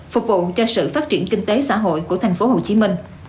phục vụ cho sự phát triển kinh tế xã hội của tp hcm